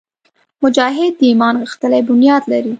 مجاهد د ایمان غښتلی بنیاد لري.